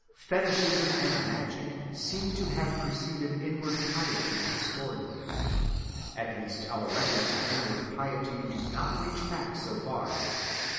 Fetishism and magic seem to have preceded inward piety historically—at least our records of inward piety do not reach back so far.